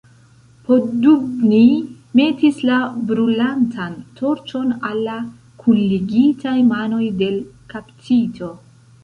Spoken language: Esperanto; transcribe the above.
Poddubnij metis la brulantan torĉon al la kunligitaj manoj de l' kaptito.